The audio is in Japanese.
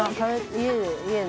家で家で。